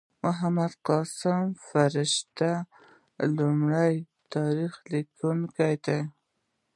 محمد قاسم فرشته لومړی تاریخ لیکونکی دﺉ.